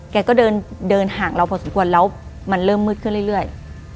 แกก็เดินห่างเราพอสมควรแล้วมันเริ่มมืดขึ้นเรื่อย